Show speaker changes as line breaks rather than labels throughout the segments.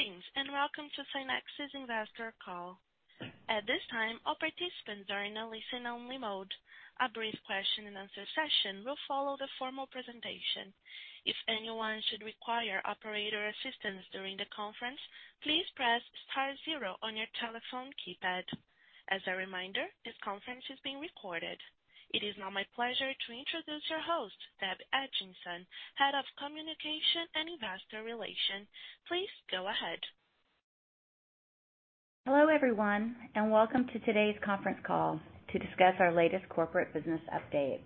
Greetings, and welcome to SCYNEXIS Investor Call. At this time, all participants are in a listen-only mode. A brief Q&A session will follow the formal presentation. If anyone should require operator assistance during the conference, please press star zero on your telephone keypad. As a reminder, this conference is being recorded. It is now my pleasure to introduce your host, Debbie Etchison, Head of Communication and Investor Relations. Please go ahead.
Hello, everyone, and welcome to today's conference call to discuss our latest corporate business update.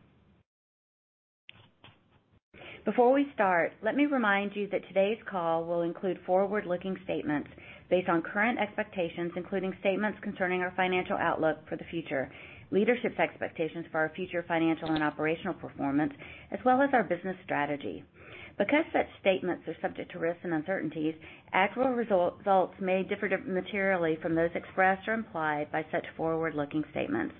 Before we start, let me remind you that today's call will include forward-looking statements based on current expectations, including statements concerning our financial outlook for the future, leadership's expectations for our future financial and operational performance, as well as our business strategy. Because such statements are subject to risks and uncertainties, actual results may differ materially from those expressed or implied by such forward-looking statements.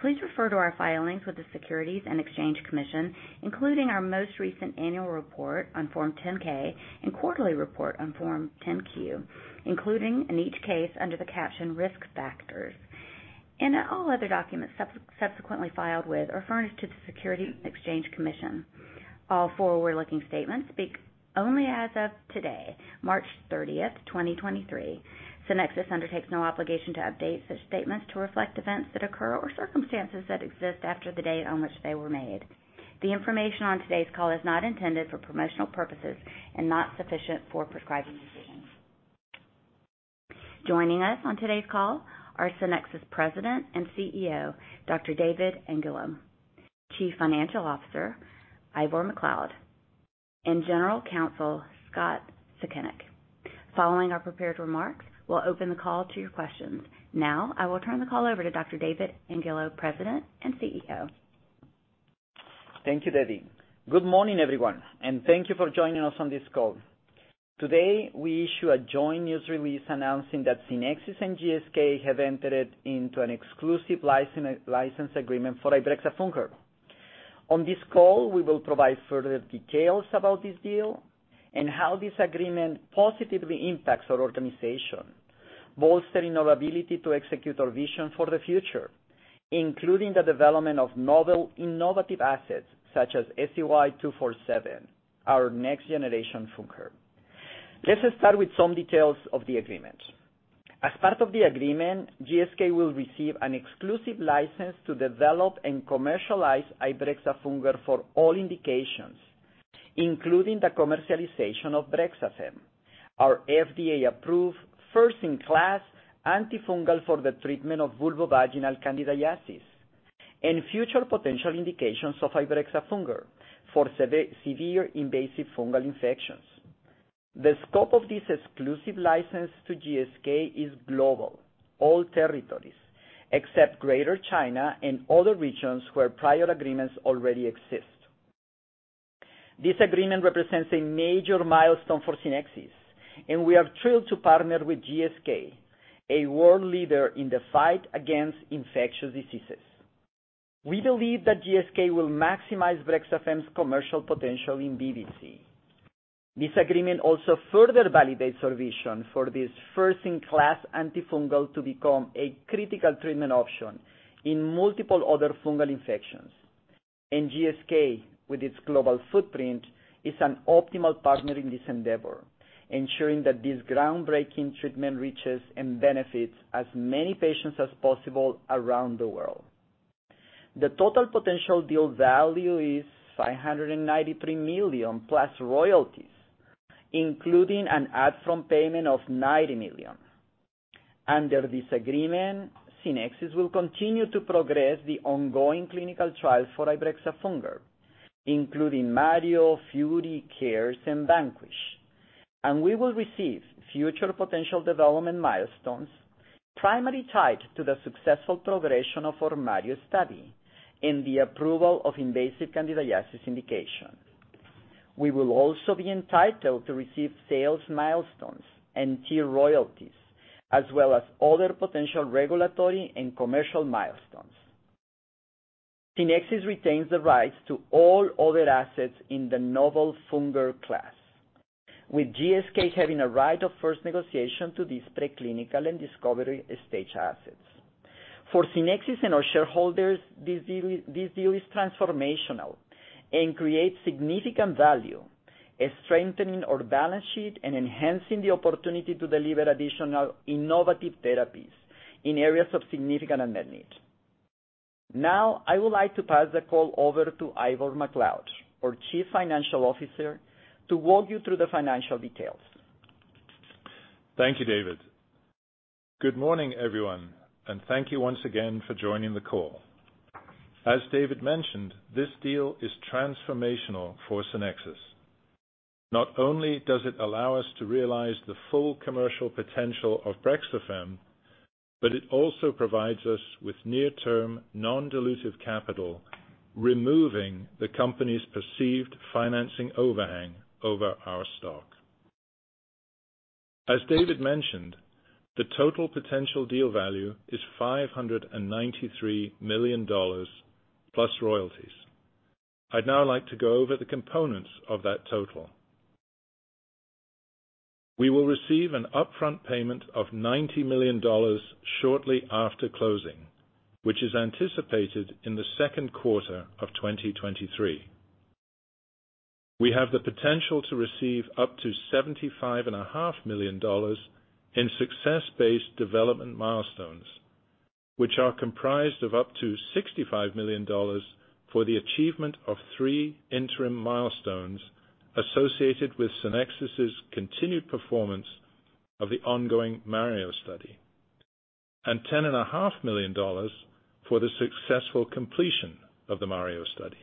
Please refer to our filings with the Securities and Exchange Commission, including our most recent annual report on Form 10-K and quarterly report on Form 10-Q, including in each case under the caption Risk Factors, and all other documents subsequently filed with or furnished to the Securities and Exchange Commission. All forward-looking statements speak only as of today, March 30, 2023. SCYNEXIS undertakes no obligation to update such statements to reflect events that occur or circumstances that exist after the date on which they were made. The information on today's call is not intended for promotional purposes and not sufficient for prescribing decisions. Joining us on today's call are SCYNEXIS President and CEO, Dr. David Angulo, Chief Financial Officer, Ivor Macleod, and General Counsel, Scott Sukenick. Following our prepared remarks, we'll open the call to your questions. Now I will turn the call over to Dr. David Angulo, President and CEO.
Thank you, Debbie. Good morning, everyone, thank you for joining us on this call. Today, we issue a joint news release announcing that SCYNEXIS and GSK have entered into an exclusive license agreement for ibrexafungerp. On this call, we will provide further details about this deal and how this agreement positively impacts our organization, bolstering our ability to execute our vision for the future, including the development of novel innovative assets such as SCY-247, our next generation fungerp. Let us start with some details of the agreement. As part of the agreement, GSK will receive an exclusive license to develop and commercialize ibrexafungerp for all indications, including the commercialization of BREXAFEMME, our FDA-approved first-in-class antifungal for the treatment of vulvovaginal candidiasis, and future potential indications of ibrexafungerp for severe invasive fungal infections. The scope of this exclusive license to GSK is global. All territories except Greater China and other regions where prior agreements already exist. This agreement represents a major milestone for SCYNEXIS, and we are thrilled to partner with GSK, a world leader in the fight against infectious diseases. We believe that GSK will maximize BREXAFEMME's commercial potential in VVC. This agreement also further validates our vision for this first-in-class antifungal to become a critical treatment option in multiple other fungal infections. GSK, with its global footprint, is an optimal partner in this endeavor, ensuring that this groundbreaking treatment reaches and benefits as many patients as possible around the world. The total potential deal value is $593 million plus royalties, including an upfront payment of $90 million. Under this agreement, SCYNEXIS will continue to progress the ongoing clinical trials for ibrexafungerp, including MARIO, FURI, CARES, and VANQUISH. We will receive future potential development milestones primarily tied to the successful progression of our MARIO study and the approval of invasive candidiasis indication. We will also be entitled to receive sales milestones and tier royalties, as well as other potential regulatory and commercial milestones. SCYNEXIS retains the rights to all other assets in the novel fungerp class, with GSK having a right of first negotiation to these preclinical and discovery stage assets. For SCYNEXIS and our shareholders, this deal is transformational and creates significant value, strengthening our balance sheet and enhancing the opportunity to deliver additional innovative therapies in areas of significant unmet need. Now, I would like to pass the call over to Ivor Macleod, our chief financial officer, to walk you through the financial details.
Thank you, David. Good morning, everyone, and thank you once again for joining the call. As David mentioned, this deal is transformational for SCYNEXIS. Not only does it allow us to realize the full commercial potential of BREXAFEMME, but it also provides us with near-term non-dilutive capital, removing the company's perceived financing overhang over our stock. As David mentioned, the total potential deal value is $593 million plus royalties. I'd now like to go over the components of that total. We will receive an upfront payment of $90 million shortly after closing, which is anticipated in the second quarter of 2023. We have the potential to receive up to $75.5 million in success-based development milestones, which are comprised of up to $65 million for the achievement of three interim milestones associated with SCYNEXIS's continued performance of the ongoing MARIO study, and $10.5 million for the successful completion of the MARIO study.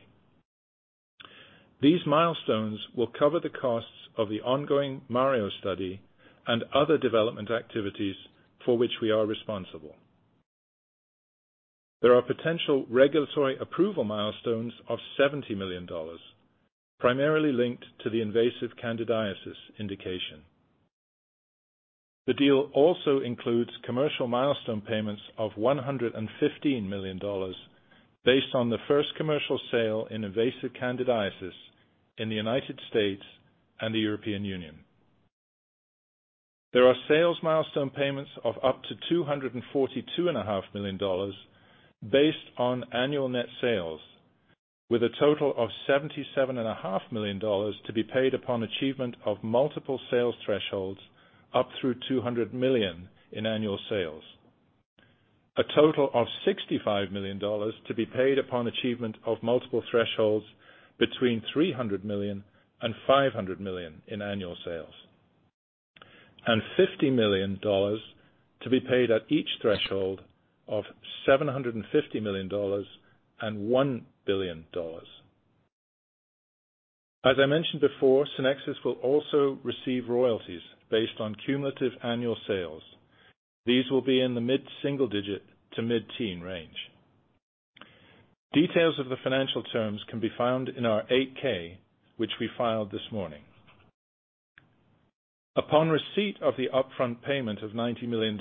These milestones will cover the costs of the ongoing MARIO study and other development activities for which we are responsible. There are potential regulatory approval milestones of $70 million, primarily linked to the invasive candidiasis indication. The deal also includes commercial milestone payments of $115 million based on the first commercial sale in invasive candidiasis in the United States and the European Union. There are sales milestone payments of up to two hundred and forty-two and a half million dollars based on annual net sales, with a total of $77.5 million to be paid upon achievement of multiple sales thresholds up through $200 million in annual sales. A total of $65 million to be paid upon achievement of multiple thresholds between $300 million and $500 million in annual sales. $50 million to be paid at each threshold of $750 million and $1 billion. As I mentioned before, SCYNEXIS will also receive royalties based on cumulative annual sales. These will be in the mid-single digit to mid-teen range. Details of the financial terms can be found in our 8-K, which we filed this morning. Upon receipt of the upfront payment of $90 million,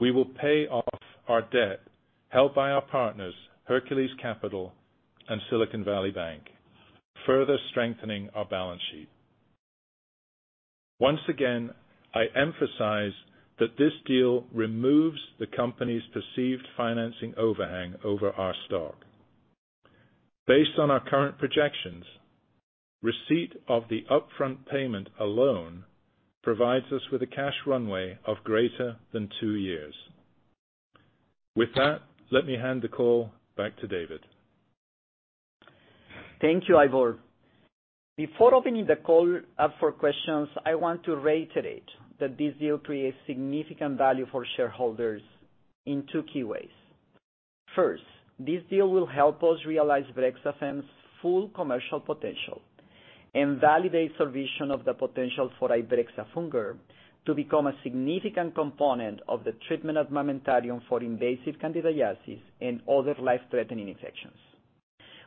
we will pay off our debt held by our partners, Hercules Capital and Silicon Valley Bank, further strengthening our balance sheet. Once again, I emphasize that this deal removes the company's perceived financing overhang over our stock. Based on our current projections, receipt of the upfront payment alone provides us with a cash runway of greater than two years. With that, let me hand the call back to David.
Thank you, Ivor. Before opening the call up for questions, I want to reiterate that this deal creates significant value for shareholders in two key ways. This deal will help us realize BREXAFEMME's full commercial potential and validate our vision of the potential for ibrexafungerp to become a significant component of the armamentarium for invasive candidiasis and other life-threatening infections.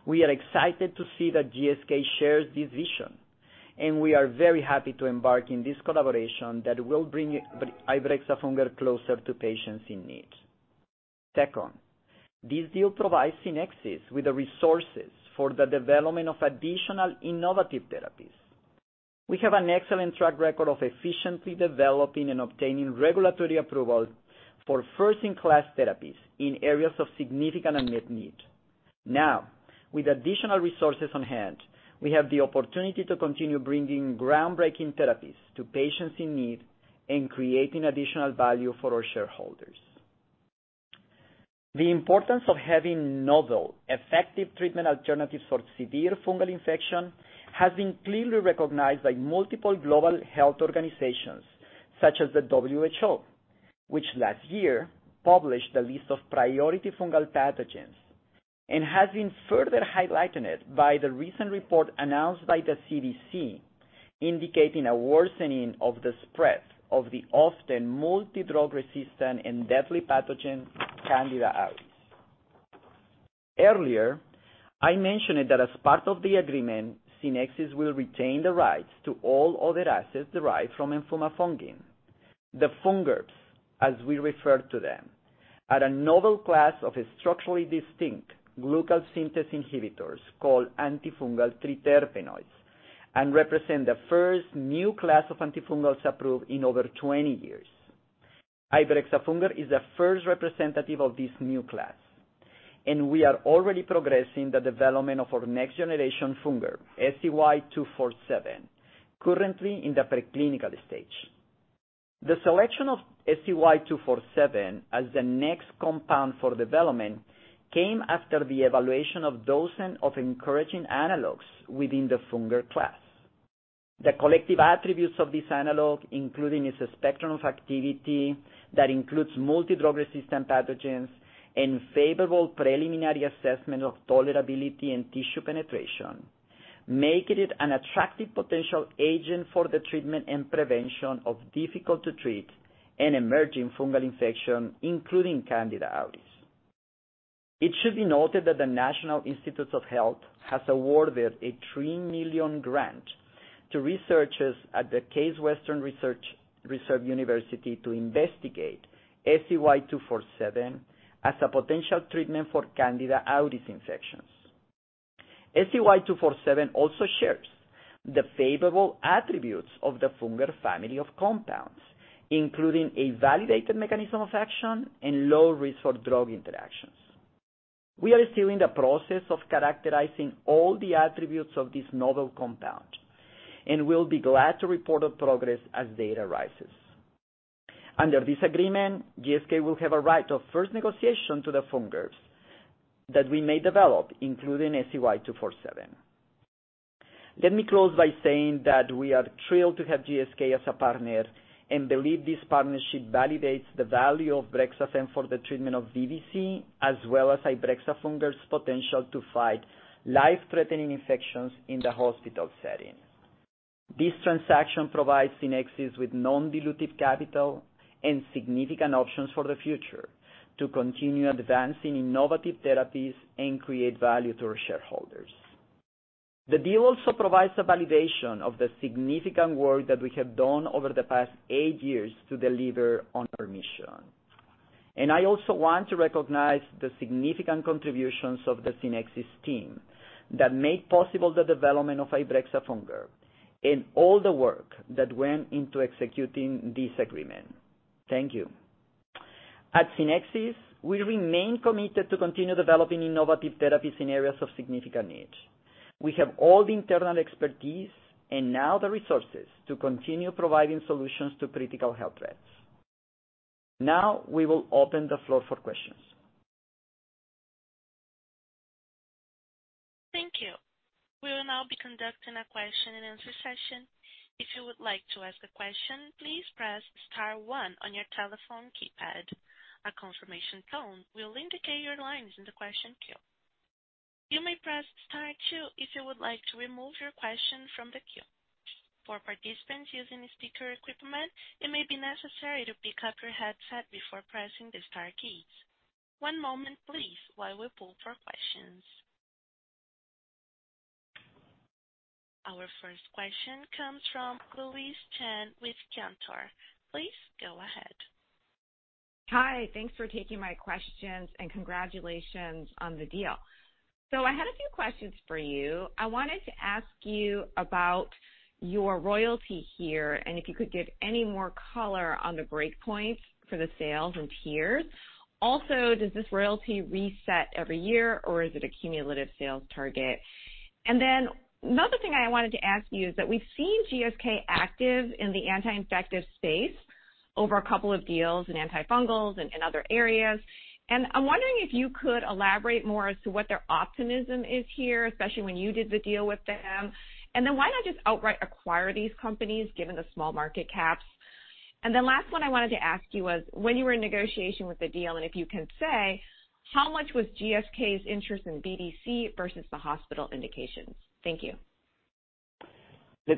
We are excited to see that GSK shares this vision, and we are very happy to embark in this collaboration that will bring ibrexafungerp closer to patients in need. This deal provides SCYNEXIS with the resources for the development of additional innovative therapies. We have an excellent track record of efficiently developing and obtaining regulatory approval for first-in-class therapies in areas of significant unmet need. Now, with additional resources on-hand, we have the opportunity to continue bringing groundbreaking therapies to patients in need and creating additional value for our shareholders. The importance of having novel, effective treatment alternatives for severe fungal infection has been clearly recognized by multiple global health organizations, such as the WHO, which last year published a list of priority fungal pathogens and has been further highlighted by the recent report announced by the CDC, indicating a worsening of the spread of the often multi-drug resistant and deadly pathogen, Candida auris. Earlier, I mentioned that as part of the agreement, SCYNEXIS will retain the rights to all other assets derived from enfumafungin. The fungerps, as we refer to them, are a novel class of structurally distinct glucan synthase inhibitors called antifungal triterpenoids and represent the first new class of antifungals approved in over 20 years. Ibrexafungerp is the first representative of this new class. We are already progressing the development of our next generation fungerp, SCY-247, currently in the preclinical stage. The selection of SCY-247 as the next compound for development came after the evaluation of dozen of encouraging analogs within the fungerp class. The collective attributes of this analog, including its spectrum of activity that includes multi-drug resistant pathogens and favorable preliminary assessment of tolerability and tissue penetration, making it an attractive potential agent for the treatment and prevention of difficult to treat and emerging fungal infection, including Candida auris. It should be noted that the National Institutes of Health has awarded a $3 million grant to researchers at Case Western Reserve University to investigate SCY-247 as a potential treatment for Candida auris infections. SCY-247 also shares the favorable attributes of the fungerp family of compounds, including a validated mechanism of action and low risk for drug interactions. We are still in the process of characterizing all the attributes of this novel compound, and we'll be glad to report on progress as data rises. Under this agreement, GSK will have a right of first negotiation to the fungerps that we may develop, including SCY-247. Let me close by saying that we are thrilled to have GSK as a partner and believe this partnership validates the value of BREXAFEMME for the treatment of VVC, as well as ibrexafungerp's potential to fight life-threatening infections in the hospital setting. This transaction provides SCYNEXIS with non-dilutive capital and significant options for the future to continue advancing innovative therapies and create value to our shareholders. The deal also provides the validation of the significant work that we have done over the past 8 years to deliver on our mission. I also want to recognize the significant contributions of the SCYNEXIS team that made possible the development of ibrexafungerp and all the work that went into executing this agreement. Thank you. At SCYNEXIS, we remain committed to continue developing innovative therapies in areas of significant need. We have all the internal expertise and now the resources to continue providing solutions to critical health threats. Now, we will open the floor for questions.
Thank you. We will now be conducting a Q&A session. If you would like to ask a question, please press star one on your telephone keypad. A confirmation tone will indicate your line is in the question queue. You may press star two if you would like to remove your question from the queue. For participants using speaker equipment, it may be necessary to pick up your headset before pressing the star keys. One moment please, while we pull for questions. Our first question comes from Louise Chen with Cantor. Please go ahead.
Hi. Thanks for taking my questions and congratulations on the deal. I had a few questions for you. I wanted to ask you about your royalty here and if you could give any more color on the breakpoints for the sales and peers. Does this royalty reset every year or is it a cumulative sales target? Another thing I wanted to ask you is that we've seen GSK active in the anti-infective space over a couple of deals in antifungals and other areas. I'm wondering if you could elaborate more as to what their optimism is here, especially when you did the deal with them. Why not just outright acquire these companies given the small market caps? The last one I wanted to ask you was when you were in negotiation with the deal, and if you can say, how much was GSK's interest in BDC versus the hospital indications? Thank you.
Let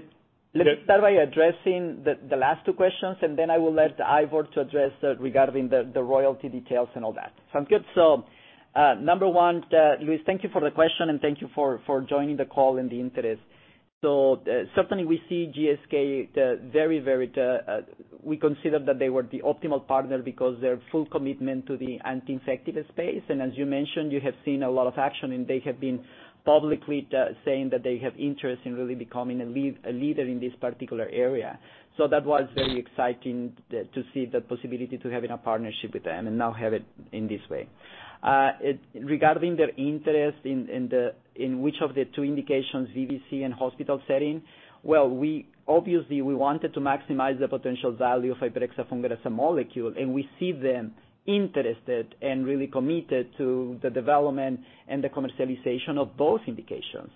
me start by addressing the last two questions, and then I will let Ivor to address regarding the royalty details and all that. Sounds good? Number one, Louise, thank you for the question and thank you for joining the call and the interest. Certainly we see GSK, very, very, we consider that they were the optimal partner because their full commitment to the anti-infective space. As you mentioned, you have seen a lot of action, and they have been publicly saying that they have interest in really becoming a leader in this particular area. That was very exciting to see the possibility to having a partnership with them and now have it in this way. Regarding their interest in the, in which of the two indications VVC and hospital setting, well, we obviously we wanted to maximize the potential value of ibrexafungerp as a molecule, and we see them interested and really committed to the development and the commercialization of both indications.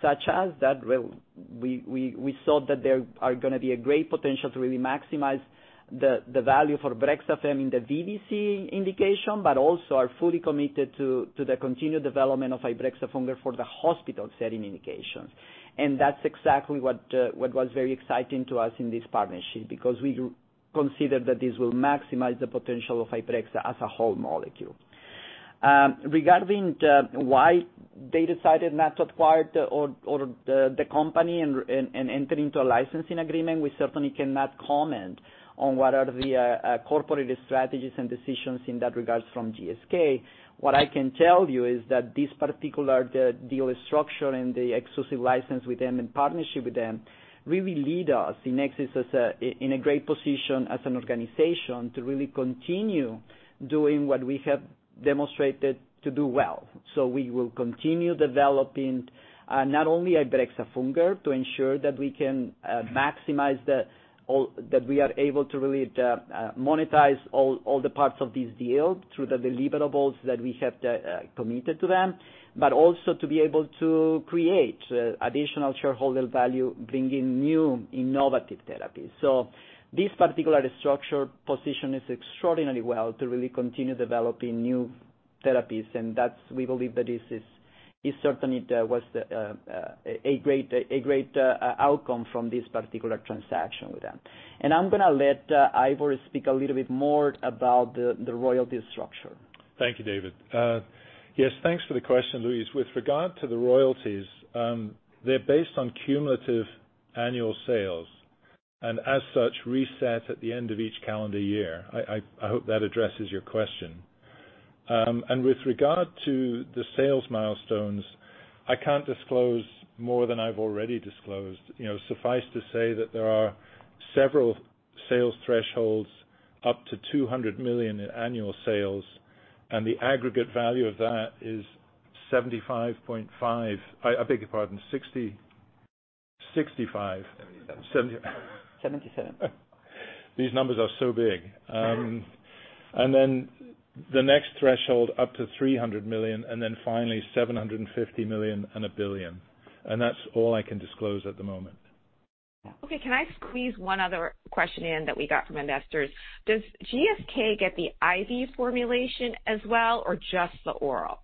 Such as that we thought that there are gonna be a great potential to really maximize the value for BREXAFEMME in the VVC indication, but also are fully committed to the continued development of ibrexafungerp for the hospital setting indications. That's exactly what was very exciting to us in this partnership because we consider that this will maximize the potential of ibrexafungerp as a whole molecule. Regarding the why they decided not to acquire the or the company and enter into a licensing agreement, we certainly cannot comment on what are the corporate strategies and decisions in that regards from GSK. What I can tell you is that this particular deal structure and the exclusive license with them and partnership with them really lead us in SCYNEXIS as a great position as an organization to really continue doing what we have demonstrated to do well. We will continue developing not only ibrexafungerp to ensure that we can maximize the all, that we are able to really monetize all the parts of this deal through the deliverables that we have committed to them, but also to be able to create additional shareholder value, bringing new innovative therapies. This particular structure position is extraordinarily well to really continue developing new therapies, and that's, we believe that this is. It certainly was a great outcome from this particular transaction with them. I'm gonna let Ivor speak a little bit more about the royalty structure.
Thank you, David. Yes, thanks for the question, Louise. With regard to the royalties, they're based on cumulative annual sales, and as such, reset at the end of each calendar year. I hope that addresses your question. With regard to the sales milestones, I can't disclose more than I've already disclosed. You know, suffice to say that there are several sales thresholds up to $200 million in annual sales. The aggregate value of that is $65.
$77. 77.
These numbers are so big. The next threshold up to $300 million, and then finally $750 million and $1 billion. That's all I can disclose at the moment.
Okay. Can I squeeze one other question in that we got from investors? Does GSK get the IV formulation as well, or just the oral?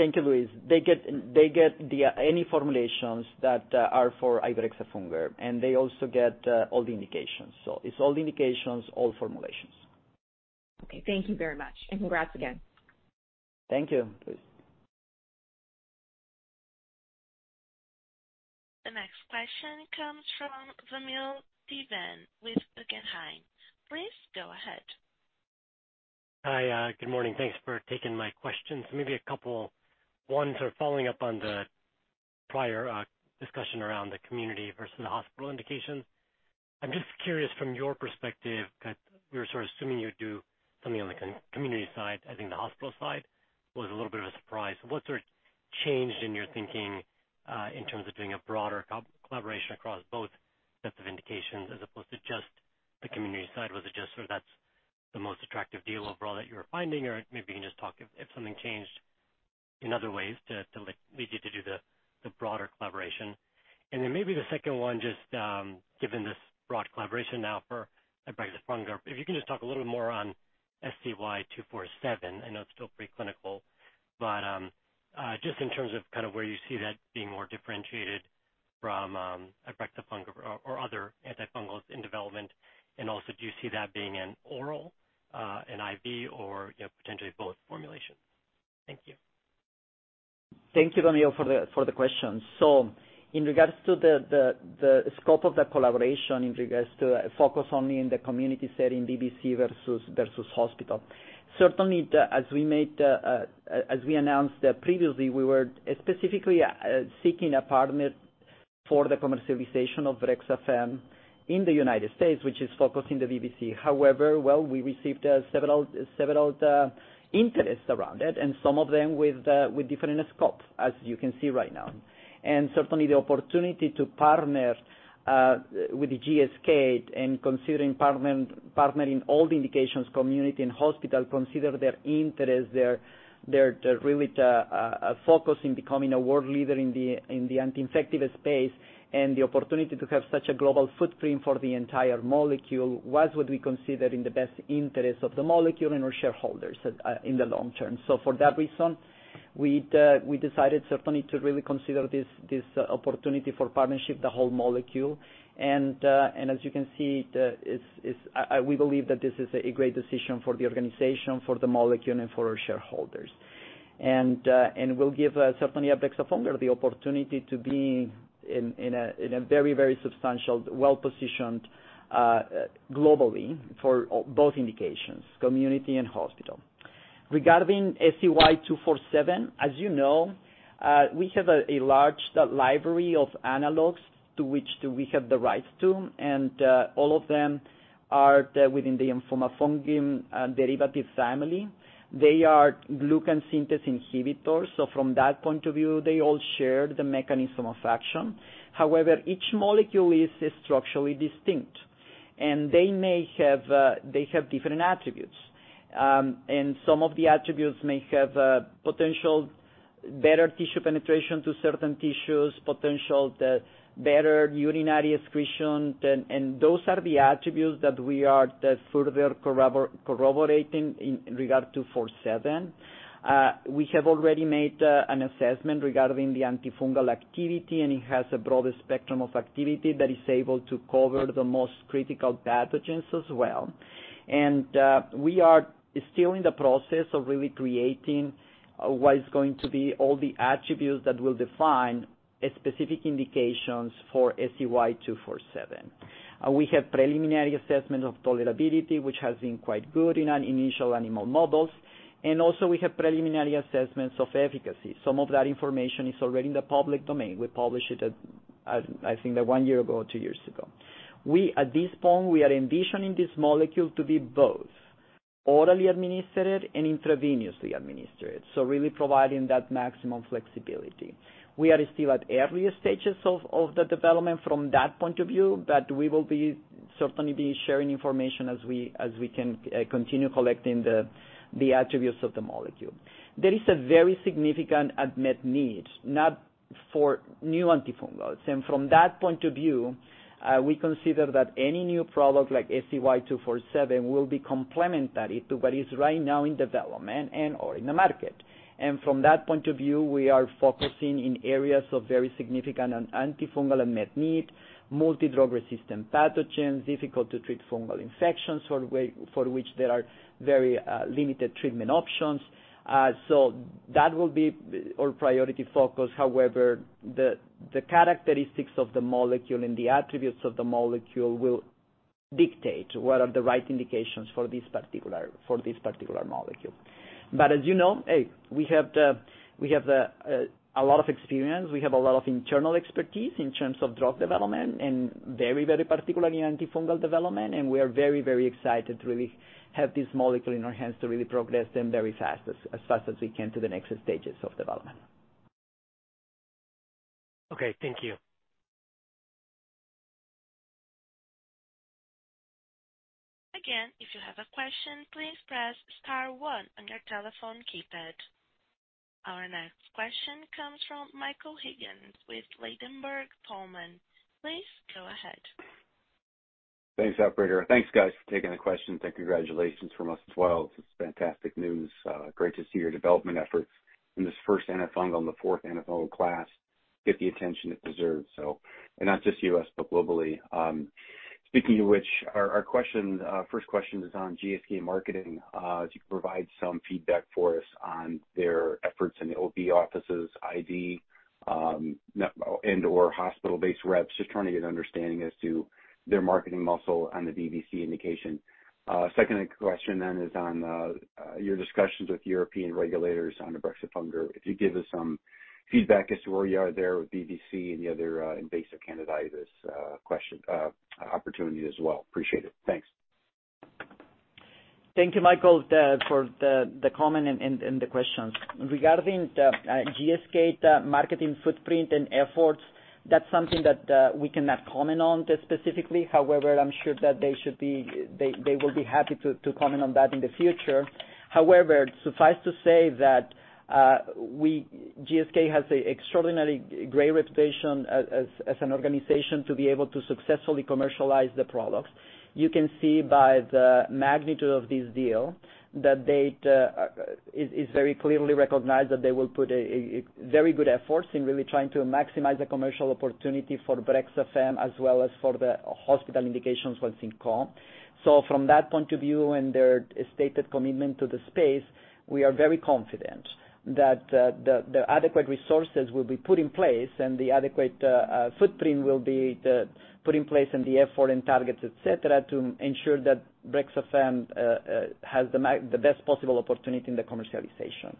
Thank you, Louise. They get the, any formulations that are for ibrexafungerp, and they also get all the indications. It's all the indications, all formulations.
Okay. Thank you very much, and congrats again.
Thank you, Louise.
The next question comes from Vamil Divan with Guggenheim. Please go ahead.
Hi, good morning. Thanks for taking my questions. Maybe a couple. One, sort of following up on the prior discussion around the community versus the hospital indication. I'm just curious from your perspective, 'cause we were sort of assuming you'd do something on the community side. I think the hospital side was a little bit of a surprise. What sort of changed in your thinking in terms of doing a broader collaboration across both sets of indications as opposed to just the community side? Was it just sort of that's the most attractive deal overall that you were finding, or maybe you can just talk if something changed in other ways to like, lead you to do the broader collaboration? Maybe the second one, just given this broad collaboration now for ibrexafungerp, if you can just talk a little more on SCY-247. I know it's still preclinical, but just in terms of kind of where you see that being more differentiated from ibrexafungerp or other antifungals in development. Also, do you see that being an oral, an IV or, you know, potentially both formulations? Thank you.
Thank you, Vamil, for the question. In regards to the scope of the collaboration in regards to focus only in the community setting, VVC versus hospital. Certainly, as we announced previously, we were specifically seeking a partner for the commercialization of BREXAFEMME in the United States, which is focused in the VVC. Well, we received several interests around it, and some of them with different scope, as you can see right now. Certainly the opportunity to partner with the GSK and considering partnering all the indications, community and hospital, consider their interest, their really to focus in becoming a world leader in the infective space. The opportunity to have such a global footprint for the entire molecule was what we consider in the best interest of the molecule and our shareholders, in the long term. So for that reason, we decided certainly to really consider this opportunity for partnership, the whole molecule. As you can see, it's, we believe that this is a great decision for the organization, for the molecule and for our shareholders. Will give, certainly ibrexafungerp the opportunity to be in a very, very substantial, well-positioned, globally for both indications, community and hospital. Regarding SCY-247, as you know, we have a large library of analogs to which we have the rights to, all of them are within the enfumafungin derivative family. They are glucan synthase inhibitors, so from that point of view, they all share the mechanism of action. However, each molecule is structurally distinct, and they have different attributes. Some of the attributes may have potential better tissue penetration to certain tissues, potential better urinary excretion. And those are the attributes that we are further corroborating in regard to four seven. We have already made an assessment regarding the antifungal activity, and it has a broad spectrum of activity that is able to cover the most critical pathogens as well. We are still in the process of really creating what is going to be all the attributes that will define specific indications for SCY-247. We have preliminary assessment of tolerability, which has been quite good in an initial animal models, and also we have preliminary assessments of efficacy. Some of that information is already in the public domain. We published it at I think one year ago or two years ago. We, at this point, are envisioning this molecule to be both orally administered and intravenously administered, so really providing that maximum flexibility. We are still at early stages of the development from that point of view, but we will certainly be sharing information as we can continue collecting the attributes of the molecule. There is a very significant unmet need, not for new antifungals. From that point of view, we consider that any new product like SCY-247 will be complementary to what is right now in development and or in the market. From that point of view, we are focusing in areas of very significant antifungal unmet need, multi-drug resistant pathogens, difficult to treat fungal infections for which there are very limited treatment options. That will be our priority focus. However, the characteristics of the molecule and the attributes of the molecule will dictate what are the right indications for this particular molecule. As you know, hey, we have the a lot of experience. We have a lot of internal expertise in terms of drug development and very particularly antifungal development. We are very excited to really have this molecule in our hands to really progress them very fast, as fast as we can to the next stages of development.
Okay, thank you.
Again, if you have a question, please press star one on your telephone keypad. Our next question comes from Michael Higgins with Ladenburg Thalmann. Please go ahead.
Thanks, operator. Thanks, guys, for taking the question and congratulations from us as well. It's fantastic news. Great to see your development efforts in this first antifungal, in the fourth antifungal class get the attention it deserves, so. Not just U.S., but globally. Speaking of which, our question, first question is on GSK marketing. If you could provide some feedback for us on their efforts in the OB offices ID, and/or hospital-based reps. Just trying to get an understanding as to their marketing muscle on the VVC indication. Second question then is on your discussions with European regulators on the ibrexafungerp. If you give us some feedback as to where you are there with VVC and the other invasive candidiasis, question, opportunity as well. Appreciate it. Thanks.
Thank you, Michael, for the comment and the questions. Regarding the GSK, the marketing footprint and efforts, that's something that we cannot comment on specifically. I'm sure that they should be, they will be happy to comment on that in the future. Suffice to say that GSK has a extraordinarily great reputation as an organization to be able to successfully commercialize the products. You can see by the magnitude of this deal that they'd, it is very clearly recognized that they will put a very good efforts in really trying to maximize the commercial opportunity for BREXAFEMME as well as for the hospital indications for XINCO. From that point of view and their stated commitment to the space, we are very confident that the adequate resources will be put in place and the adequate footprint will be put in place and the effort and targets, et cetera, to ensure that BREXAFEMME has the best possible opportunity in the commercialization.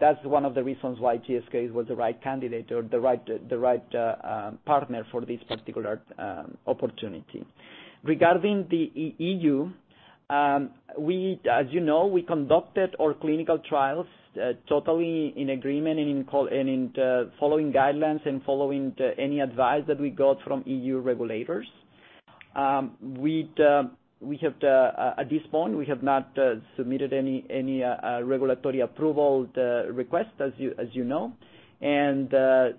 That's one of the reasons why GSK was the right candidate or the right partner for this particular opportunity. Regarding the EU, as you know, we conducted our clinical trials totally in agreement and in call, and in the following guidelines and following the any advice that we got from EU regulators. We'd we have at this point, we have not submitted any regulatory approval request, as you know.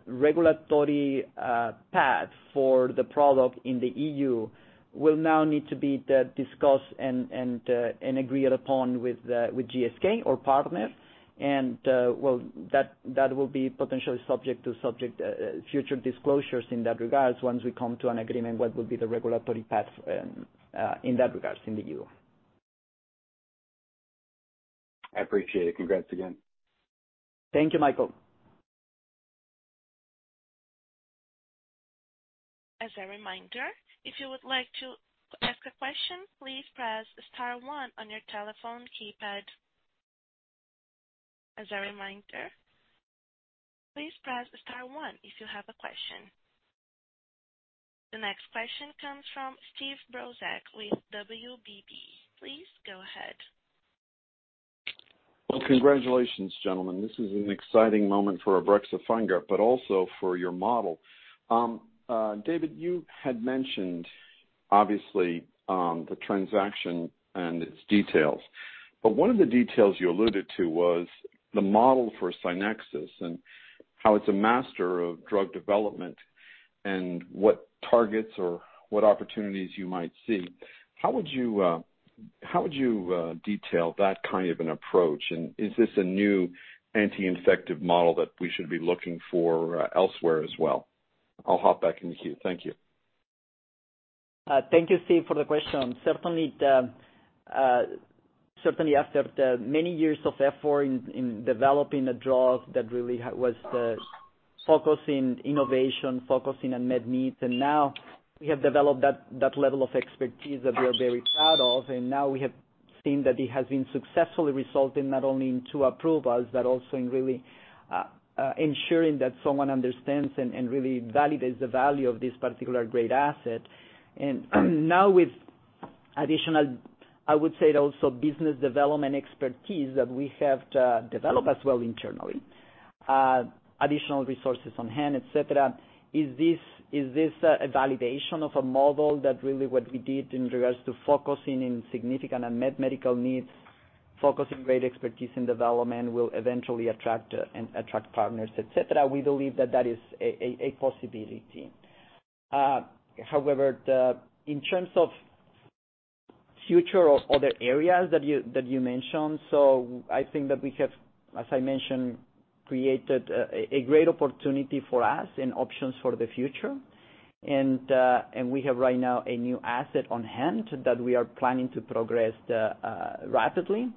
Regulatory path for the product in the EU will now need to be discussed and agreed upon with GSK or partners. Well, that will be potentially subject to future disclosures in that regard once we come to an agreement, what would be the regulatory path in that regards in the EU.
I appreciate it. Congrats again.
Thank you, Michael.
As a reminder, if you would like to ask a question, please press star one on your telephone keypad. As a reminder, please press star one if you have a question. The next question comes from Steve Brozak with WBB. Please go ahead.
Congratulations, gentlemen. This is an exciting moment for ibrexafungerp, but also for your model. David, you had mentioned obviously, the transaction and its details, but one of the details you alluded to was the model for SCYNEXIS and how it's a master of drug development and what targets or what opportunities you might see. How would you detail that kind of an approach? Is this a new anti-infective model that we should be looking for elsewhere as well? I'll hop back in the queue. Thank you.
Thank you, Steve, for the question. Certainly, the, certainly after the many years of effort in developing a drug that really was focusing innovation, focusing unmet needs, now we have developed that level of expertise that we are very proud of. Now we have seen that it has been successfully resulting not only in two approvals, but also in really ensuring that someone understands and really validates the value of this particular great asset. Now with additional, I would say also business development expertise that we have to develop as well internally, additional resources on hand, et cetera. Is this a validation of a model that really what we did in regards to focusing in significant unmet medical needs, focusing great expertise in development will eventually attract partners, et cetera. We believe that is a possibility. However, in terms of future or other areas that you mentioned, so I think that we have, as I mentioned, created a great opportunity for us and options for the future. We have right now a new asset on hand that we are planning to progress rapidly.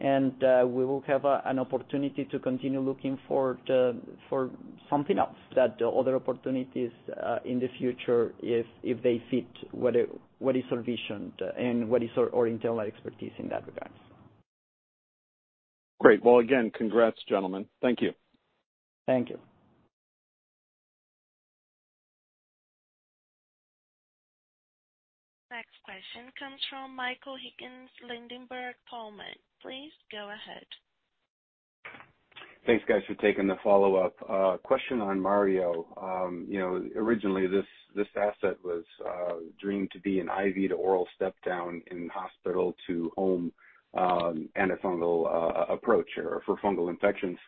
We will have an opportunity to continue looking for something else that other opportunities in the future if they fit what is our vision and what is our internal expertise in that regards.
Great. Well, again, congrats, gentlemen. Thank you.
Thank you.
Next question comes from Michael Higgins, Ladenburg Thalmann. Please go ahead.
Thanks guys for taking the follow-up. Question on MARIO. you know, originally this asset was dreamed to be an IV to oral step down in hospital to home antifungal approach or for fungal infections.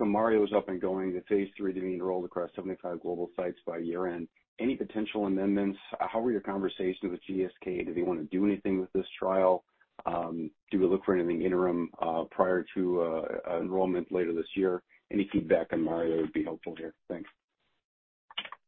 MARIO is up and going to phase III, getting enrolled across 75 global sites by year-end. Any potential amendments? How were your conversations with GSK? Do they wanna do anything with this trial? Do you look for anything interim prior to enrollment later this year? Any feedback on MARIO would be helpful here. Thanks.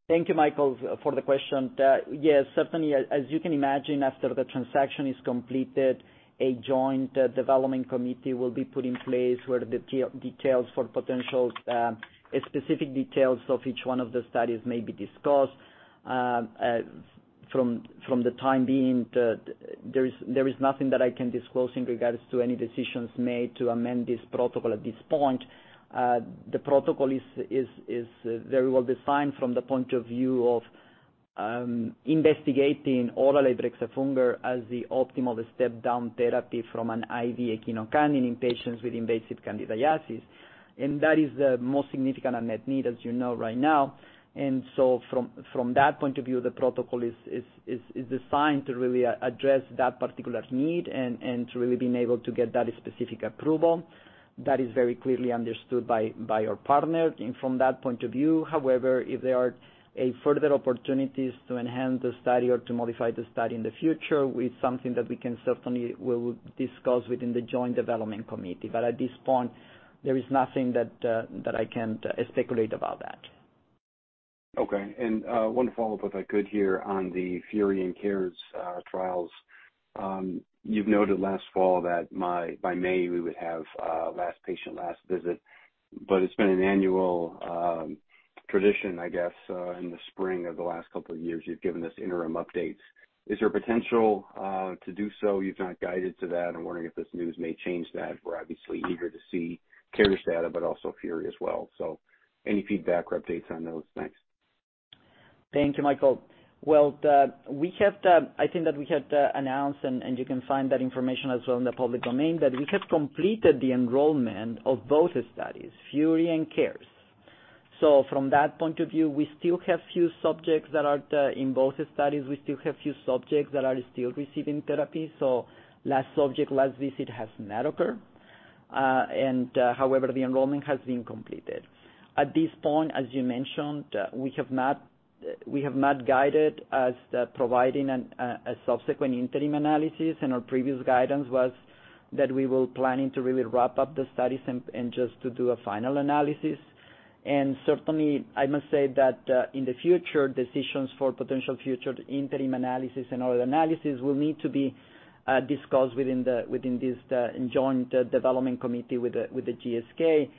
Thank you, Michael, for the question. Yes, certainly. As you can imagine, after the transaction is completed, a joint development committee will be put in place where the details for potential specific details of each one of the studies may be discussed. From the time being, there is nothing that I can disclose in regards to any decisions made to amend this protocol at this point. The protocol is very well defined from the point of view of investigating oral ibrexafungerp as the optimal step-down therapy from an IV echinocandin in patients with invasive candidiasis. That is the most significant unmet need, as you know, right now. From that point of view, the protocol is designed to really address that particular need and to really being able to get that specific approval. That is very clearly understood by our partner and from that point of view. However, if there are a further opportunities to enhance the study or to modify the study in the future, it's something that we can certainly we will discuss within the joint development committee. At this point, there is nothing that I can speculate about that.
Okay. one follow-up, if I could, here on the FURY and CARES trials. You've noted last fall that by May, we would have last patient, last visit, but it's been an annual tradition, I guess, in the spring of the last couple of years, you've given us interim updates. Is there potential to do so? You've not guided to that. I'm wondering if this news may change that. We're obviously eager to see CARES data, but also FURY as well. Any feedback or updates on those? Thanks.
Thank you, Michael. Well, we have, I think that we had announced, and you can find that information as well in the public domain, that we have completed the enrollment of both studies, FURY and CARES. From that point of view, we still have few subjects that are in both studies. We still have few subjects that are still receiving therapy. Last subject, last visit has not occurred. However, the enrollment has been completed. At this point, as you mentioned, we have not guided as to providing a subsequent interim analysis, our previous guidance was that we will planning to really wrap up the studies and just to do a final analysis. Certainly, I must say that, in the future, decisions for potential future interim analysis and other analysis will need to be discussed within this joint development committee with the GSK.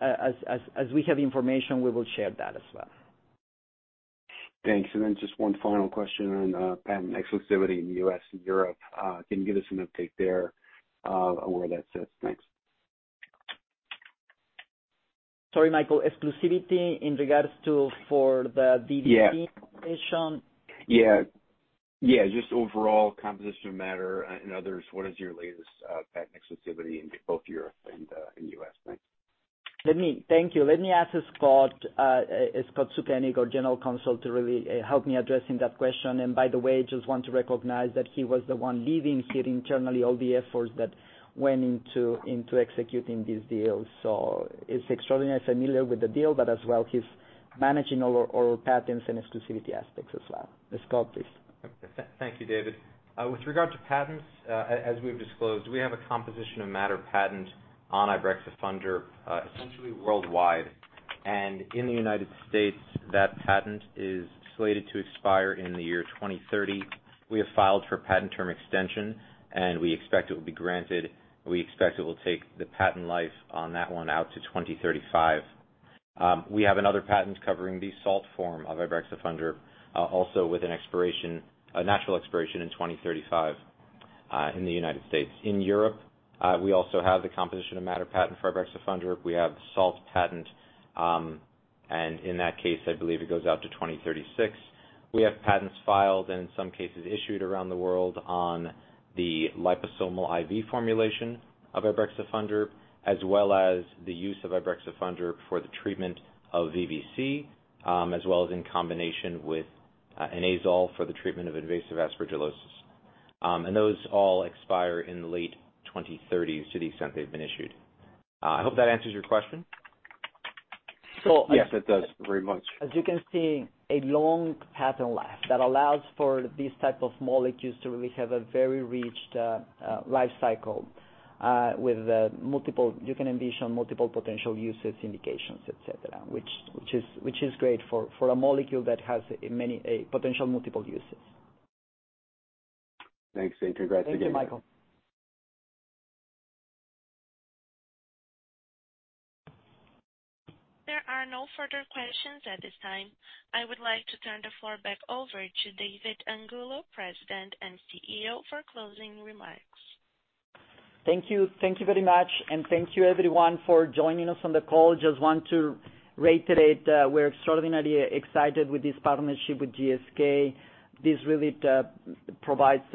As we have information, we will share that as well.
Thanks. Just one final question on, patent exclusivity in the U.S. and Europe. Can you give us an update there, on where that sits? Thanks.
Sorry, Michael. Exclusivity in regards to for the DDT population?
Yeah. Yeah, just overall composition matter and others. What is your latest patent exclusivity in both Europe and and U.S.? Thanks.
Let me. Thank you. Let me ask Scott Sukenick, our general counsel, to really help me addressing that question. By the way, just want to recognize that he was the one leading here internally, all the efforts that went into executing this deal. He's extraordinarily familiar with the deal, but as well, he's managing all our, all our patents and exclusivity aspects as well. Scott, please.
Thank you, David. With regard to patents, as we've disclosed, we have a composition of matter patent on ibrexafungerp, essentially worldwide. In the United States, that patent is slated to expire in the year 2030. We have filed for patent term extension, and we expect it will be granted. We expect it will take the patent life on that one out to 2035. We have another patent covering the salt form of ibrexafungerp, also with an expiration, a natural expiration in 2035. In the United States. In Europe, we also have the composition of matter patent for ibrexafungerp. We have the salt patent, and in that case, I believe it goes out to 2036. We have patents filed and in some cases issued around the world on the liposomal IV formulation of ibrexafungerp, as well as the use of ibrexafungerp for the treatment of VVC, as well as in combination with an azole for the treatment of invasive aspergillosis. Those all expire in the late twenty-thirties to the extent they've been issued. I hope that answers your question.
yes, it does, very much.
As you can see, a long patent life that allows for these type of molecules to really have a very reached life cycle with multiple. You can envision multiple potential uses, indications, et cetera. Which is great for a molecule that has many potential multiple uses.
Thanks. Congrats again.
Thank you, Michael.
There are no further questions at this time. I would like to turn the floor back over to David Angulo, President and CEO, for closing remarks.
Thank you. Thank you very much, and thank you everyone for joining us on the call. Just want to reiterate, we're extraordinarily excited with this partnership with GSK. This really provides,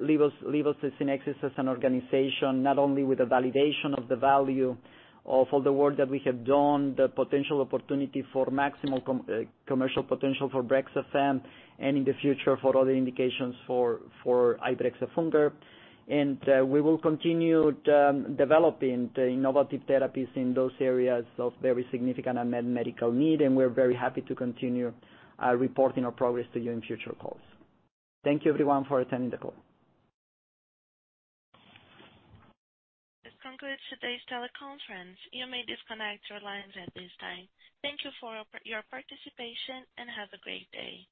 leaves us in SCYNEXIS as an organization, not only with the validation of the value of all the work that we have done, the potential opportunity for maximal commercial potential for BREXAFEMME, and in the future for other indications for ibrexafungerp. We will continue de-developing the innovative therapies in those areas of very significant medical need, and we're very happy to continue reporting our progress to you in future calls. Thank you everyone for attending the call.
This concludes today's teleconference. You may disconnect your lines at this time. Thank you for your participation and have a great day.